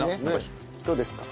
どうですか？